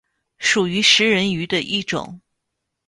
属于食人鱼的一种。